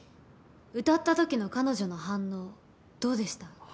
歌った時の彼女の反応どうでした？